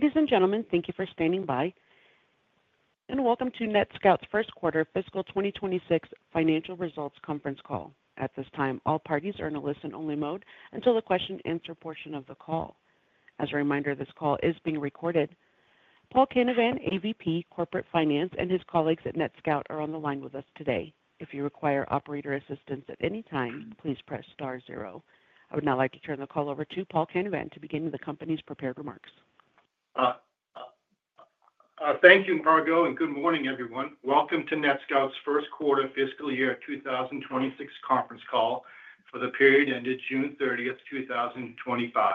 Ladies and gentlemen, thank you for standing by, and welcome to NetScout First Quarter Fiscal 2026 Financial Results Conference Call. At this time, all parties are in a listen-only mode until the question and answer portion of the call. As a reminder, this call is being recorded. Paul Canavan, AVP Corporate Finance, and his colleagues at NetScout are on the line with us today. If you require operator assistance at any time, please press Star zero. I would now like to turn the call over to Paul Canavan to begin with the company's prepared remarks. Thank you, Margo, and good morning, everyone. Welcome to NetScout's First Quarter Fiscal Year 2026 Conference Call for the Period Ended June 30, 2025.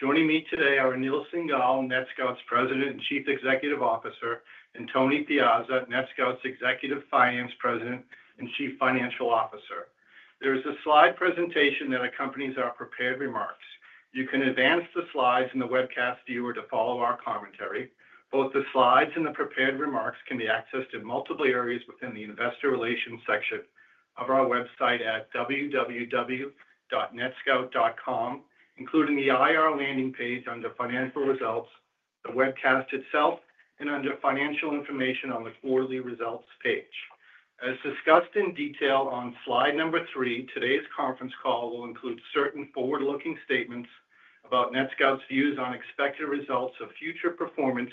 Joining me today are Anil Singhal, NetScout's President and Chief Executive Officer, and Tony Piazza, NetScout's Executive Finance President and Chief Financial Officer. There is a slide presentation that accompanies our prepared remarks. You can advance the slides in the webcast viewer to follow our commentary. Both the slides and the prepared remarks can be accessed in multiple areas within the Investor Relations section of our website at www.netscout.com, including the IR landing page under Financial Results, the webcast itself, and under Financial Information on the Quarterly Results page. As discussed in detail on slide number three, today's conference call will include certain forward-looking statements about NetScout's views on expected results of future performance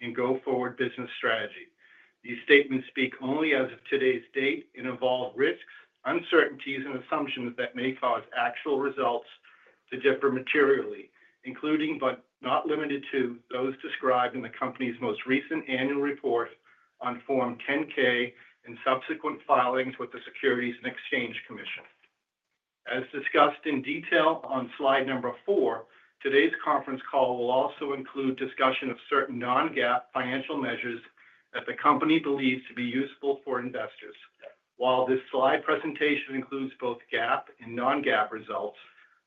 and go-forward business strategy. These statements speak only as of today's date and involve risks, uncertainties, and assumptions that may cause actual results to differ materially, including but not limited to those described in the company's most recent annual report on Form 10-K and subsequent filings with the Securities and Exchange Commission. As discussed in detail on slide number four, today's conference call will also include discussion of certain non-GAAP financial measures that the company believes to be useful for investors. While this slide presentation includes both GAAP and non-GAAP results,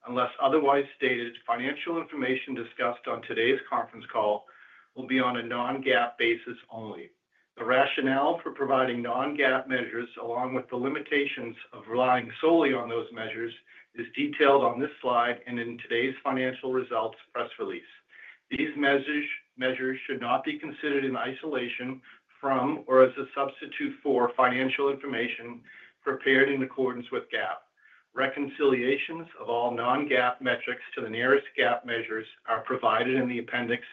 unless otherwise stated, financial information discussed on today's conference call will be on a non-GAAP basis only. The rationale for providing non-GAAP measures, along with the limitations of relying solely on those measures, is detailed on this slide and in today's financial results press release. These measures should not be considered in isolation from or as a substitute for financial information prepared in accordance with GAAP. Reconciliations of all non-GAAP metrics to the nearest GAAP measures are provided in the appendix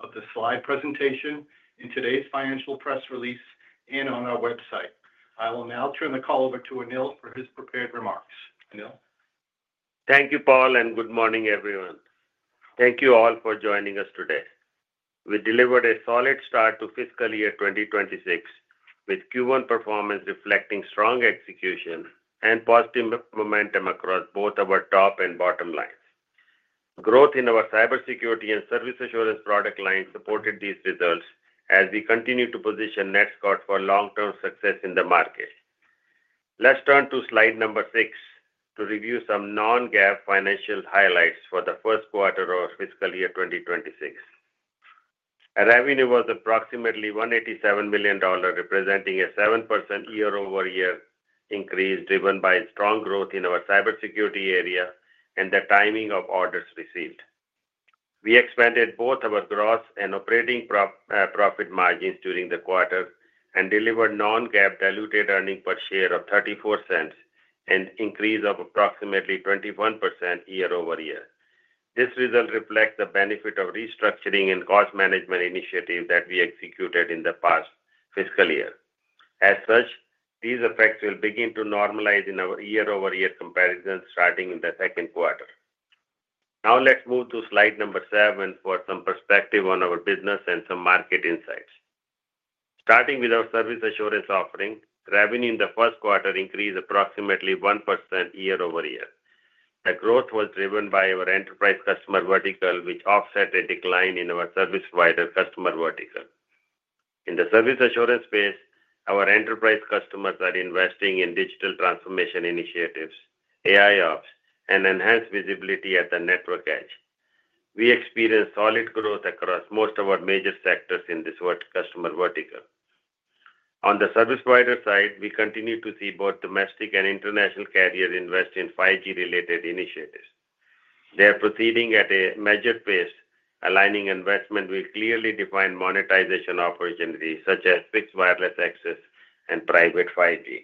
of the slide presentation in today's financial press release and on our website. I will now turn the call over to Anil for his prepared remarks. Anil? Thank you, Paul, and good morning, everyone. Thank you all for joining us today. We delivered a solid start to fiscal year 2026 with Q1 performance reflecting strong execution and positive momentum across both our top and bottom lines. Growth in our cybersecurity and service assurance product lines supported these results as we continue to position NetScout for long-term success in the market. Let's turn to slide number six to review some non-GAAP financial highlights for the first quarter of fiscal year 2026. Our revenue was approximately $187 million, representing a 7% year-over-year increase driven by strong growth in our cybersecurity area and the timing of orders received. We expanded both our gross and operating profit margins during the quarter and delivered non-GAAP diluted earnings per share of $0.34, an increase of approximately 21% year-over-year. This result reflects the benefit of restructuring and cost management initiatives that we executed in the past fiscal year. As such, these effects will begin to normalize in our year-over-year comparison starting in the second quarter. Now let's move to slide number seven for some perspective on our business and some market insights. Starting with our service assurance offering, revenue in the first quarter increased approximately 1% year-over-year. The growth was driven by our enterprise customer vertical, which offset a decline in our service provider customer vertical. In the service assurance space, our enterprise customers are investing in digital transformation initiatives, AIOps, and enhanced visibility at the network edge. We experienced solid growth across most of our major sectors in this customer vertical. On the service provider side, we continue to see both domestic and international carriers invest in 5G-related initiatives. They are proceeding at a measured pace, aligning investment with clearly defined monetization opportunities such as fixed wireless access and private 5G.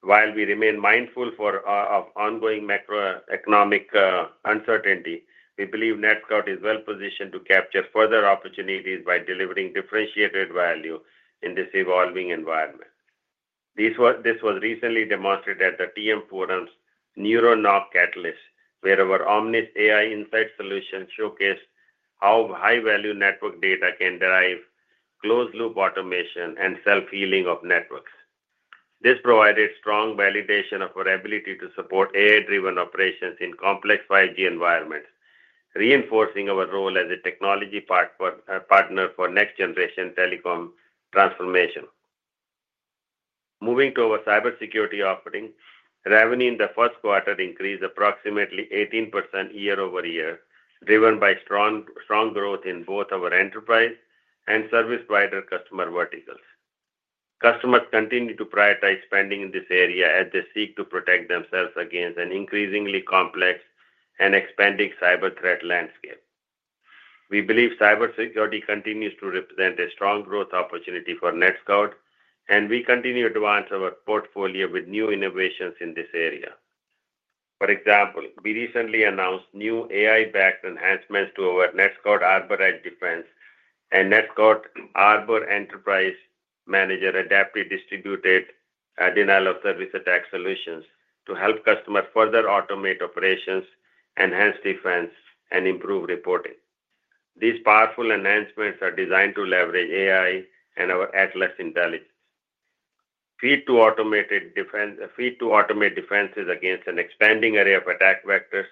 While we remain mindful of ongoing macroeconomic uncertainty, we believe NetScout Systems is well positioned to capture further opportunities by delivering differentiated value in this evolving environment. This was recently demonstrated at the TM Forum's NeuronNOC Catalyst, where our Omnis AI Insights solution showcased how high-value network data can drive closed-loop automation and self-healing of networks. This provided strong validation of our ability to support AI-driven operations in complex 5G environments, reinforcing our role as a technology partner for next-generation telecom transformation. Moving to our cybersecurity offering, revenue in the first quarter increased approximately 18% year-over-year, driven by strong growth in both our enterprise and service provider customer verticals. Customers continue to prioritize spending in this area as they seek to protect themselves against an increasingly complex and expanding cyber threat landscape. We believe cybersecurity continues to represent a strong growth opportunity for NetScout Systems, and we continue to advance our portfolio with new innovations in this area. For example, we recently announced new AI-backed enhancements to our NetScout Arbor Edge Defense and NetScout Arbor Enterprise Manager Adaptive DDoS solutions to help customers further automate operations, enhance defense, and improve reporting. These powerful enhancements are designed to leverage AI and our Atlas Intelligence Feed to automate defenses against an expanding array of attack vectors,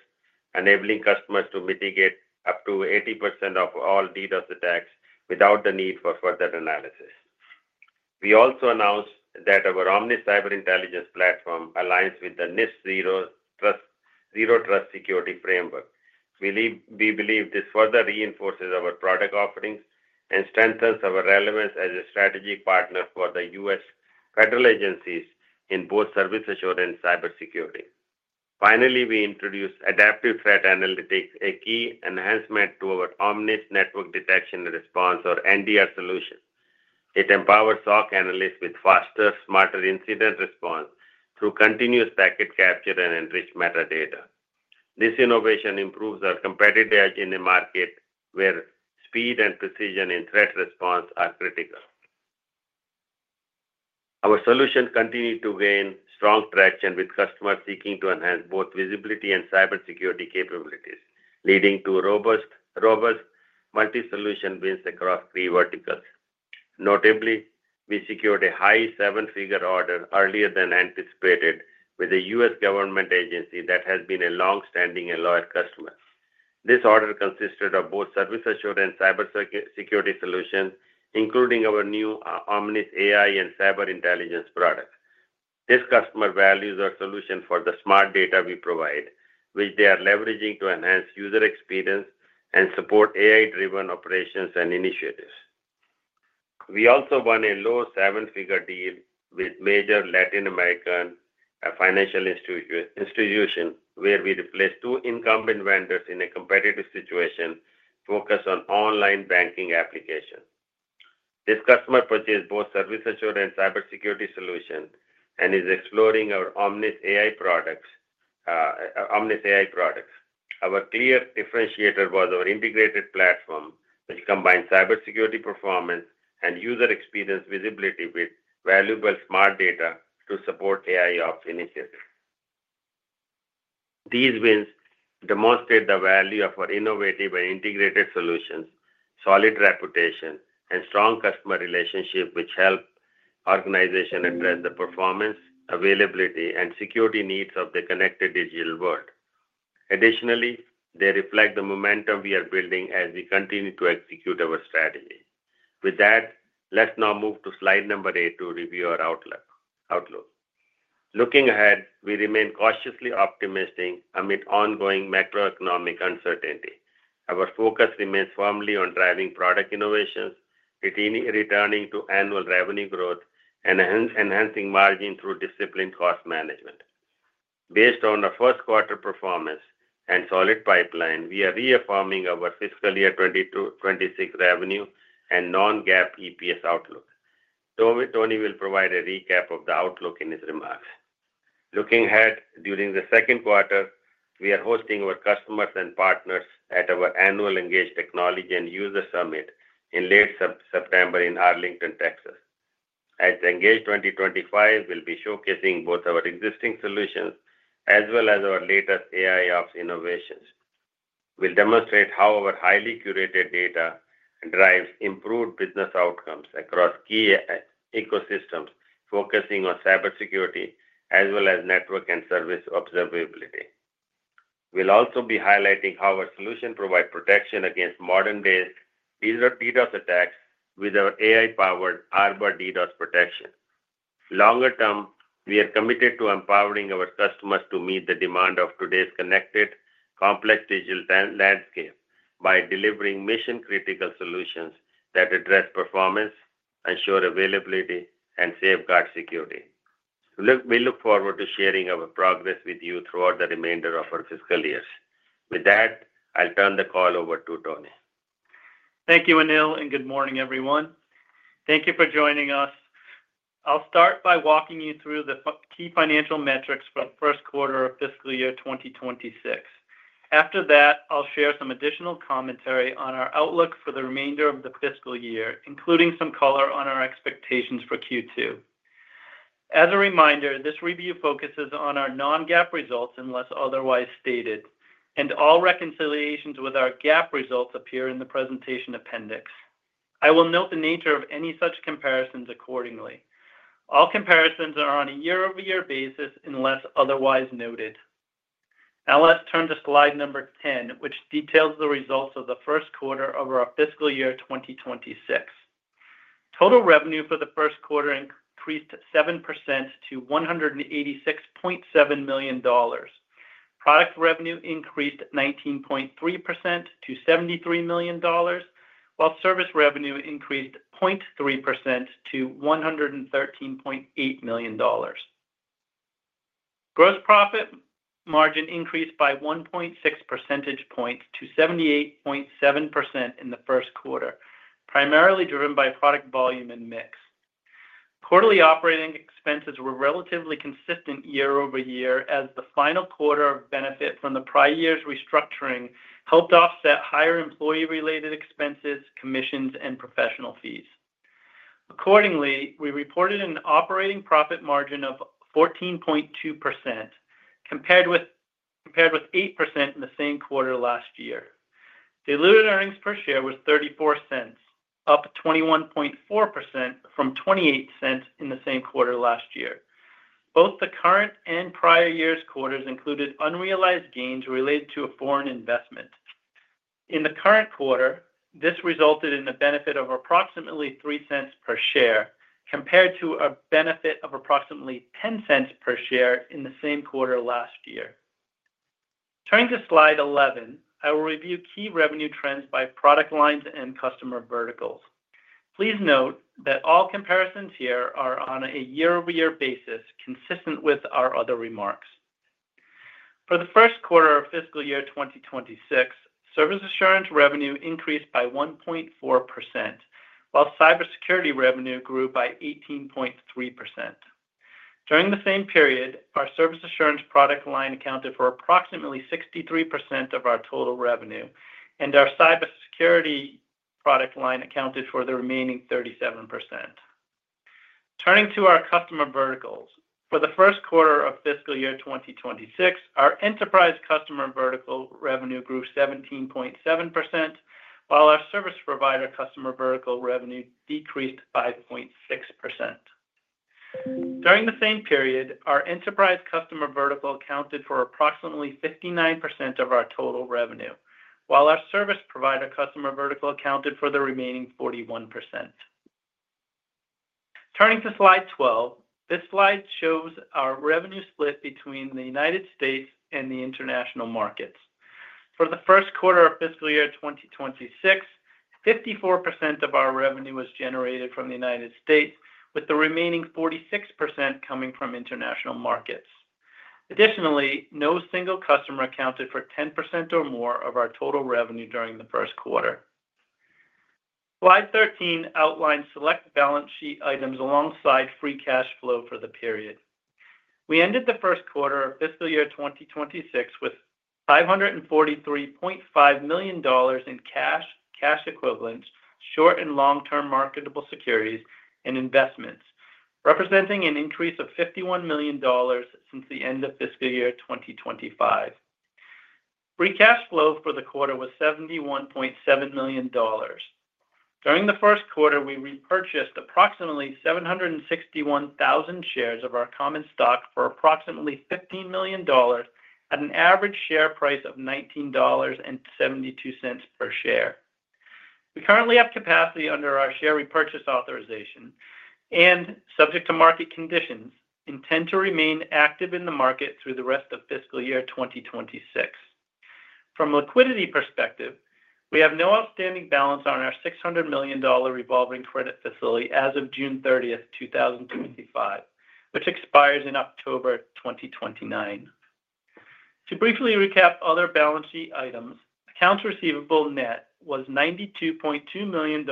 enabling customers to mitigate up to 80% of all DDoS attacks without the need for further analysis. We also announced that our Omnis Cyber Intelligence platform aligns with the NIST Zero Trust Security Framework. We believe this further reinforces our product offerings and strengthens our relevance as a strategic partner for the U.S. federal agencies in both service assurance and cybersecurity. Finally, we introduced Adaptive Threat Analytics, a key enhancement to our Omnis network detection and response, or NDR, solution. It empowers SOC analysts with faster, smarter incident response through continuous packet capture and enriched metadata. This innovation improves our competitive edge in the market where speed and precision in threat response are critical. Our solution continued to gain strong traction with customers seeking to enhance both visibility and cybersecurity capabilities, leading to robust multi-solution wins across key verticals. Notably, we secured a high seven-figure order earlier than anticipated with a U.S. government agency that has been a longstanding and loyal customer. This order consisted of both service assurance and cybersecurity solutions, including our new Omnis AI and cyber intelligence product. This customer values our solution for the smart data we provide, which they are leveraging to enhance user experience and support AI-driven operations and initiatives. We also won a low seven-figure deal with a major Latin American financial institution where we replaced two incumbent vendors in a competitive situation focused on online banking applications. This customer purchased both service assurance and cybersecurity solutions and is exploring our Omnis AI products. Our clear differentiator was our integrated platform, which combined cybersecurity, performance, and user experience visibility with valuable smart data to support AIOps initiatives. These wins demonstrate the value of our innovative and integrated solutions, solid reputation, and strong customer relationship, which help organizations address the performance, availability, and security needs of the connected digital world. Additionally, they reflect the momentum we are building as we continue to execute our strategy. With that, let's now move to slide number eight to review our outlook. Looking ahead, we remain cautiously optimistic amid ongoing macroeconomic uncertainty. Our focus remains firmly on driving product innovations, returning to annual revenue growth, and enhancing margins through disciplined cost management. Based on our first quarter performance and solid pipeline, we are reaffirming our fiscal year 2026 revenue and non-GAAP EPS outlook. Tony will provide a recap of the outlook in his remarks. Looking ahead, during the second quarter, we are hosting our customers and partners at our annual Engage Technology and User Summit in late September in Arlington, Texas. At Engage 2025, we'll be showcasing both our existing solutions as well as our latest AIOps innovations. We'll demonstrate how our highly curated data drives improved business outcomes across key ecosystems focusing on cybersecurity as well as network and service observability. We'll also be highlighting how our solutions provide protection against modern-day DDoS attacks with our AI-powered Arbor DDoS protection. Longer term, we are committed to empowering our customers to meet the demand of today's connected, complex digital landscape by delivering mission-critical solutions that address performance, ensure availability, and safeguard security. We look forward to sharing our progress with you throughout the remainder of our fiscal year. With that, I'll turn the call over to Tony. Thank you, Anil, and good morning, everyone. Thank you for joining us. I'll start by walking you through the key financial metrics for the first quarter of fiscal year 2026. After that, I'll share some additional commentary on our outlook for the remainder of the fiscal year, including some color on our expectations for Q2. As a reminder, this review focuses on our non-GAAP results unless otherwise stated, and all reconciliations with our GAAP results appear in the presentation appendix. I will note the nature of any such comparisons accordingly. All comparisons are on a year-over-year basis unless otherwise noted. Now let's turn to slide number 10, which details the results of the first quarter of our fiscal year 2026. Total revenue for the first quarter increased 7% to $186.7 million. Product revenue increased 19.3% to $73 million, while service revenue increased 0.3% to $113.8 million. Gross profit margin increased by 1.6 percentage points to 78.7% in the first quarter, primarily driven by product volume and mix. Quarterly operating expenses were relatively consistent year-over-year as the final quarter of benefit from the prior year's restructuring helped offset higher employee-related expenses, commissions, and professional fees. Accordingly, we reported an operating profit margin of 14.2% compared with 8% in the same quarter last year. Diluted earnings per share was $0.34, up 21.4% from $0.28 in the same quarter last year. Both the current and prior year's quarters included unrealized gains related to a foreign investment. In the current quarter, this resulted in a benefit of approximately $0.03 per share compared to a benefit of approximately $0.10 per share in the same quarter last year. Turning to slide 11, I will review key revenue trends by product lines and customer verticals. Please note that all comparisons here are on a year-over-year basis, consistent with our other remarks. For the first quarter of fiscal year 2026, service assurance revenue increased by 1.4%, while cybersecurity revenue grew by 18.3%. During the same period, our service assurance product line accounted for approximately 63% of our total revenue, and our cybersecurity product line accounted for the remaining 37%. Turning to our customer verticals, for the first quarter of fiscal year 2026, our enterprise customer vertical revenue grew 17.7%, while our service provider customer vertical revenue decreased 5.6%. During the same period, our enterprise customer vertical accounted for approximately 59% of our total revenue, while our service provider customer vertical accounted for the remaining 41%. Turning to slide 12, this slide shows our revenue split between the United States and the international markets. For the first quarter of fiscal year 2026, 54% of our revenue was generated from the United States, with the remaining 46% coming from international markets. Additionally, no single customer accounted for 10% or more of our total revenue during the first quarter. Slide 13 outlines select balance sheet items alongside free cash flow for the period. We ended the first quarter of fiscal year 2026 with $543.5 million in cash, cash equivalents, short and long-term marketable securities, and investments, representing an increase of $51 million since the end of fiscal year 2025. Free cash flow for the quarter was $71.7 million. During the first quarter, we repurchased approximately 761,000 shares of our common stock for approximately $15 million at an average share price of $19.72 per share. We currently have capacity under our share repurchase authorization and, subject to market conditions, intend to remain active in the market through the rest of fiscal year 2026. From a liquidity perspective, we have no outstanding balance on our $600 million revolving credit facility as of June 30, 2025, which expires in October 2029. To briefly recap other balance sheet items, accounts receivable net was $92.2 million,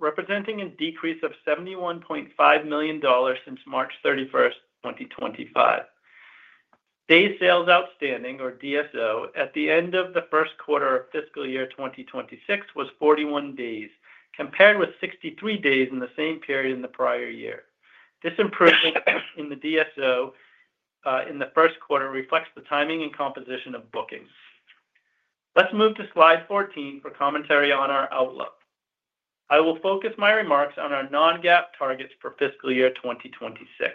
representing a decrease of $71.5 million since March 31, 2025. Days sales outstanding, or DSO, at the end of the first quarter of fiscal year 2026 was 41 days, compared with 63 days in the same period in the prior year. This improvement in the DSO in the first quarter reflects the timing and composition of bookings. Let's move to slide 14 for commentary on our outlook. I will focus my remarks on our non-GAAP targets for fiscal year 2026.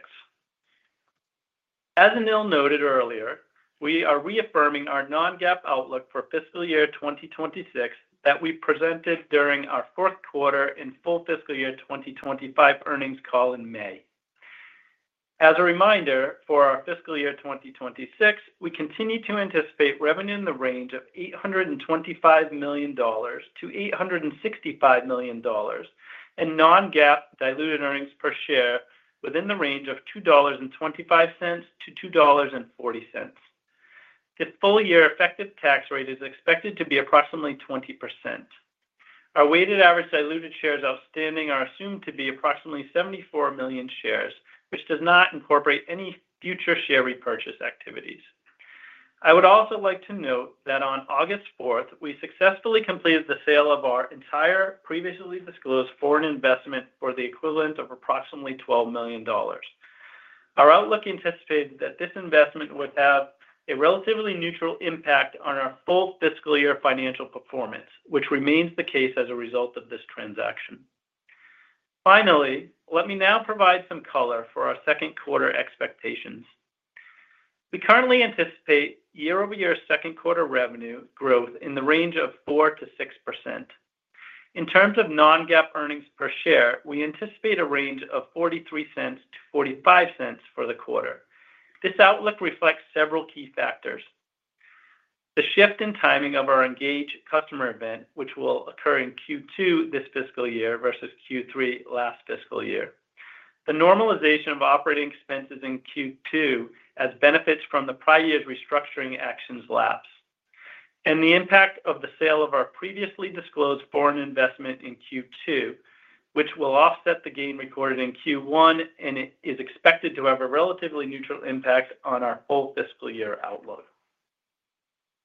As Anil noted earlier, we are reaffirming our non-GAAP outlook for fiscal year 2026 that we presented during our fourth quarter in full fiscal year 2025 earnings call in May. As a reminder for our fiscal year 2026, we continue to anticipate revenue in the range of $825 million to $865 million and non-GAAP diluted earnings per share within the range of $2.25-$2.40. The full year effective tax rate is expected to be approximately 20%. Our weighted average diluted shares outstanding are assumed to be approximately 74 million shares, which does not incorporate any future share repurchase activities. I would also like to note that on August 4, we successfully completed the sale of our entire previously disclosed foreign investment for the equivalent of approximately $12 million. Our outlook anticipated that this investment would have a relatively neutral impact on our full fiscal year financial performance, which remains the case as a result of this transaction. Finally, let me now provide some color for our second quarter expectations. We currently anticipate year-over-year second quarter revenue growth in the range of 4%-6%. In terms of non-GAAP earnings per share, we anticipate a range of $0.43-$0.45 for the quarter. This outlook reflects several key factors: the shift in timing of our Engage customer event, which will occur in Q2 this fiscal year versus Q3 last fiscal year, the normalization of operating expenses in Q2 as benefits from the prior year's restructuring actions lapse, and the impact of the sale of our previously disclosed foreign investment in Q2, which will offset the gain recorded in Q1 and is expected to have a relatively neutral impact on our whole fiscal year outlook.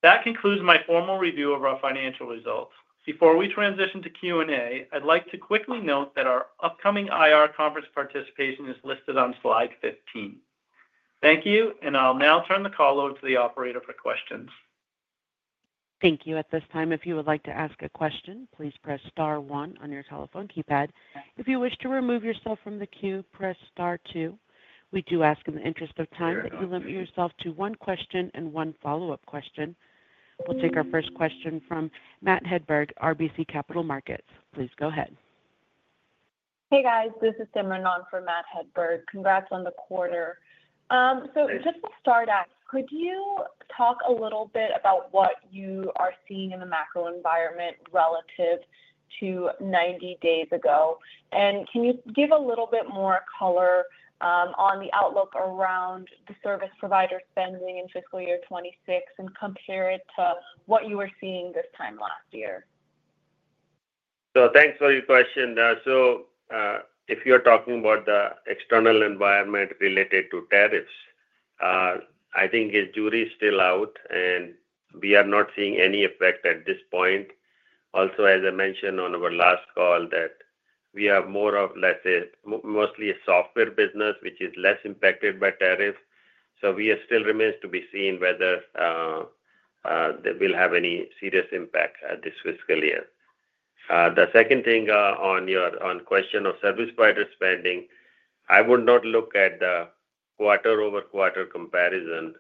That concludes my formal review of our financial results. Before we transition to Q&A, I'd like to quickly note that our upcoming IR conference participation is listed on slide 15. Thank you, and I'll now turn the call over to the operator for questions. Thank you. At this time, if you would like to ask a question, please press Star one on your telephone keypad. If you wish to remove yourself from the queue, press Star two. We do ask in the interest of time that you limit yourself to one question and one follow-up question. We'll take our first question from Matt Hedberg, RBC Capital Markets. Please go ahead. Hey, guys. This is Tim McNaughton for Matt Hedberg. Congrats on the quarter. Just to start out, could you talk a little bit about what you are seeing in the macro environment relative to 90 days ago? Could you give a little bit more color on the outlook around the service provider spending in fiscal year 2026 and compare it to what you were seeing this time last year? Thank you for your question. If you're talking about the external environment related to tariffs, I think the jury is still out, and we are not seeing any effect at this point. Also, as I mentioned on our last call, we have more of, let's say, mostly a software business, which is less impacted by tariffs. It still remains to be seen whether they will have any serious impact this fiscal year. The second thing, on your question of service provider spending, I would not look at the quarter-over-quarter comparison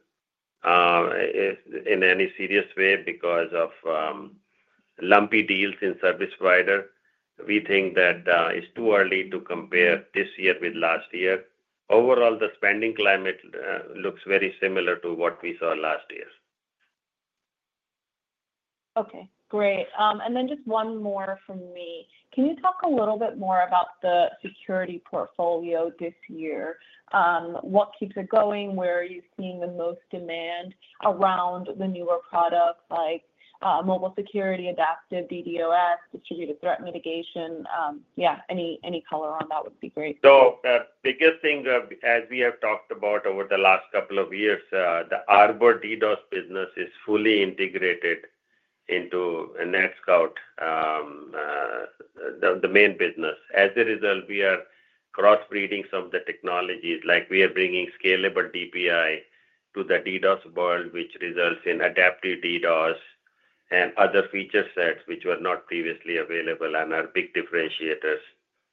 in any serious way because of lumpy deals in service provider. We think that it's too early to compare this year with last year. Overall, the spending climate looks very similar to what we saw last year. Okay. Great. Can you talk a little bit more about the security portfolio this year? What keeps it going? Where are you seeing the most demand around the newer products like mobile security, adaptive DDoS, distributed threat mitigation? Any color on that would be great. The biggest thing, as we have talked about over the last couple of years, the Arbor DDoS business is fully integrated into NetScout Systems, the main business. As a result, we are crossbreeding some of the technologies. We are bringing scalable DPI to the DDoS world, which results in adaptive DDoS and other feature sets which were not previously available and are big differentiators,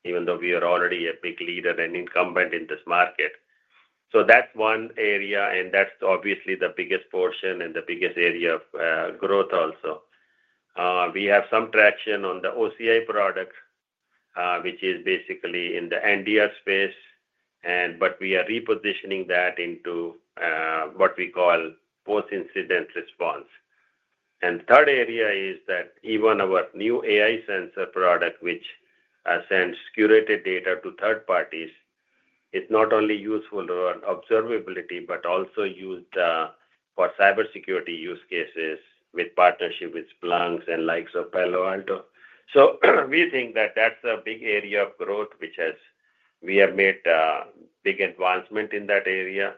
even though we are already a big leader and incumbent in this market. That's one area, and that's obviously the biggest portion and the biggest area of growth also. We have some traction on the Omnis Cyber Intelligence product, which is basically in the NDR space, and we are repositioning that into what we call post-incident response. The third area is that even our new AI sensor product, which sends curated data to third parties, is not only useful for observability but also used for cybersecurity use cases with partnership with Splunk and the likes of Palo Alto Networks. We think that that's a big area of growth, and we have made big advancement in that area.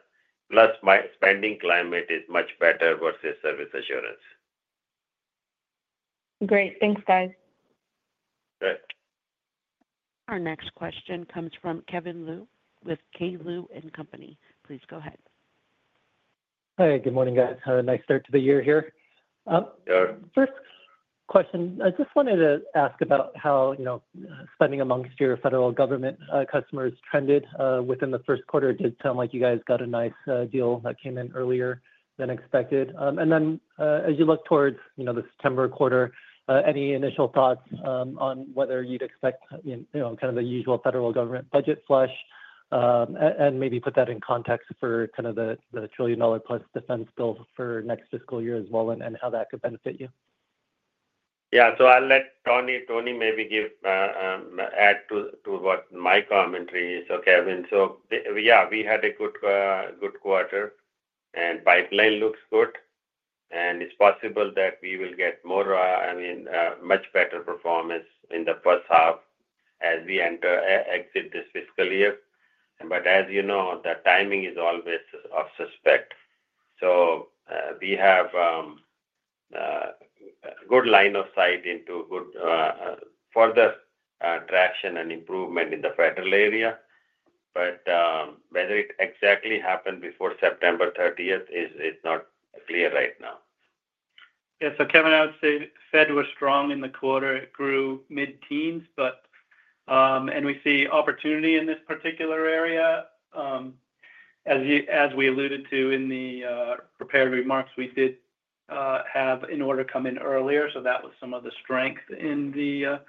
Plus, my spending climate is much better versus service assurance. Great. Thanks, guys. Okay. Our next question comes from Kevin Liu with K. Liu & Company. Please go ahead. Hi. Good morning, guys. Have a nice start to the year here. Sure. First question, I just wanted to ask about how spending amongst your federal government customers trended within the first quarter. It did sound like you guys got a nice deal that came in earlier than expected. As you look towards the September quarter, any initial thoughts on whether you'd expect kind of the usual federal government budget slush and maybe put that in context for the trillion-dollar plus defense bill for next fiscal year as well and how that could benefit you? Yeah. I'll let Tony maybe add to what my commentary is, so Kevin. We had a good quarter, and pipeline looks good. It's possible that we will get more, I mean, much better performance in the first half as we exit this fiscal year. As you know, the timing is always of suspect. We have a good line of sight into good, further, traction and improvement in the federal area. Whether it exactly happened before September 30th is not clear right now. Yeah. So Kevin, I would say Fed was strong in the quarter. It grew mid-teens, and we see opportunity in this particular area. As we alluded to in the prepared remarks, we did have an order come in earlier. That was some of the strength in the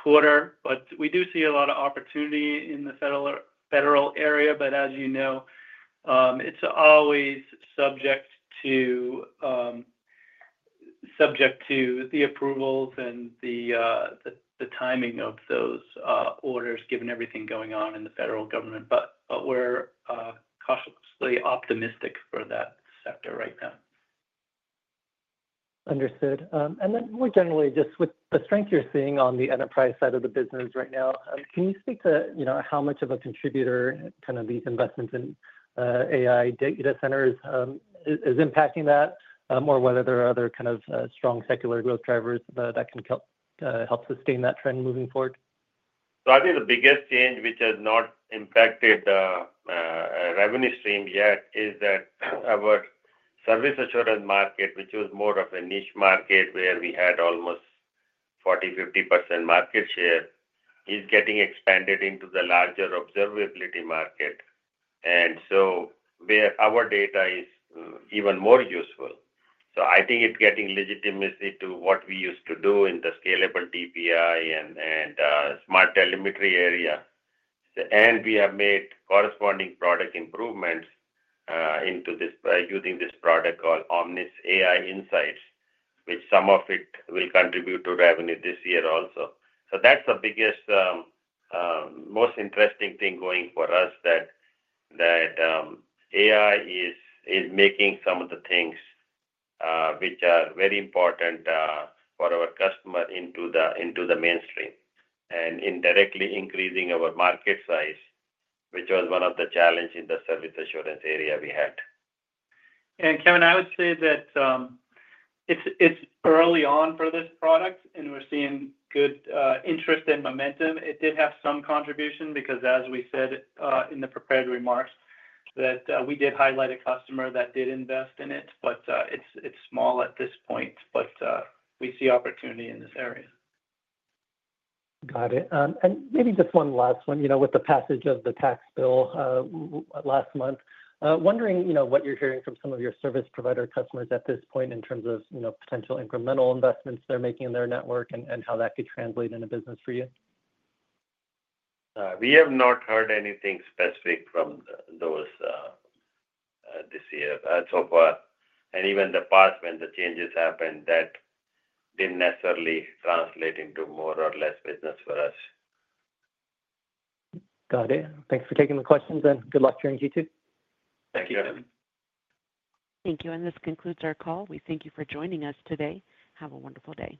quarter. We do see a lot of opportunity in the federal area. As you know, it's always subject to the approvals and the timing of those orders given everything going on in the federal government. We're cautiously optimistic for that sector right now. Understood. More generally, just with the strength you're seeing on the enterprise side of the business right now, can you speak to how much of a contributor these investments in AI data centers is impacting that, or whether there are other strong secular growth drivers that can help sustain that trend moving forward? I think the biggest change, which has not impacted the revenue stream yet, is that our service assurance market, which was more of a niche market where we had almost 40%-50% market share, is getting expanded into the larger observability market, where our data is even more useful. I think it's giving legitimacy to what we used to do in the scalable DPI and smart telemetry area. We have made corresponding product improvements into this, using this product called Omnis AI Insights, which some of it will contribute to revenue this year also. That's the biggest, most interesting thing going for us, that AI is making some of the things which are very important for our customer into the mainstream and indirectly increasing our market size, which was one of the challenges in the service assurance area we had. Yeah. Kevin, I would say that it's early on for this product, and we're seeing good interest and momentum. It did have some contribution because, as we said in the prepared remarks, we did highlight a customer that did invest in it, but it's small at this point. We see opportunity in this area. Got it. Maybe just one last one, with the passage of the tax bill last month, wondering what you're hearing from some of your service provider customers at this point in terms of potential incremental investments they're making in their network and how that could translate into business for you? We have not heard anything specific from those this year so far. Even in the past, when the changes happened, that didn't necessarily translate into more or less business for us. Got it. Thanks for taking the questions, and good luck during Q2. Thank you, Kevin. Thank you. This concludes our call. We thank you for joining us today. Have a wonderful day.